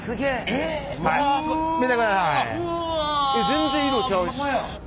えっ全然色ちゃうし。